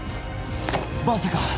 まさか！